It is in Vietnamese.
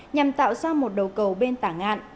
nhằm tạo ra một đầu cầu bên tảng ngạn